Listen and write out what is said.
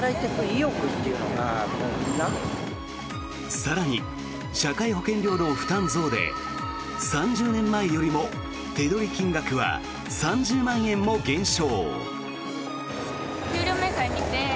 更に社会保険料の負担増で３０年前よりも手取り金額は３０万円も減少。